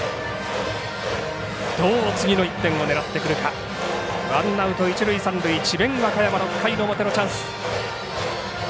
どう次の１点を狙ってくるかワンアウト一塁三塁智弁和歌山、６回の表のチャンス。